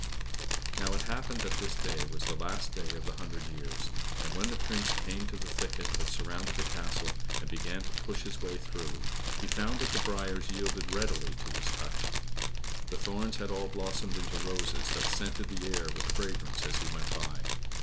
Now, it happened that this day was the last day of the hundred years; and when the Prince came to the thicket that surrounded the castle and began to push his way through, he found that the briers yielded readily to his touch. The thorns had all blossomed into roses that scented the air with fragrance as he went by.